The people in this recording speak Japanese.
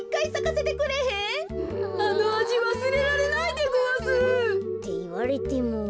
あのあじわすれられないでごわす。っていわれても。